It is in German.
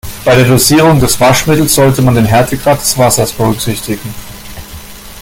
Bei der Dosierung des Waschmittels sollte man den Härtegrad des Wassers berücksichtigen.